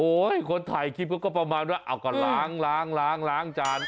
โอ๊ยคนถ่ายคลิปก็ประมาณว่าเอาก็ล้างจาน